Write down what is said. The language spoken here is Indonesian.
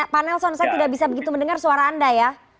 pak nelson saya tidak bisa begitu mendengar suara anda ya